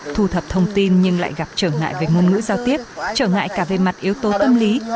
thu thập thông tin nhưng lại gặp trở ngại về ngôn ngữ giao tiếp trở ngại cả về mặt yếu tố tâm lý